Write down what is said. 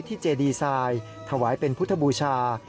ที่เจดีสายถวายเป็นพุทธบูชา